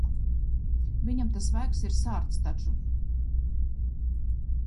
Viņam tas vaigs ir sārts taču.